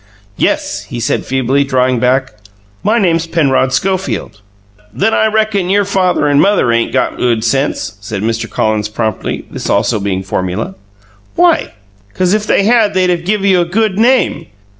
"Yes," he said, feebly, drawing back. "My name's Penrod Schofield." "Then I reckon your father and mother ain't got good sense," said Mr. Collins promptly, this also being formula. "Why?" "'Cause if they had they'd of give you a good name!"